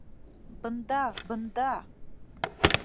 Бында, бында.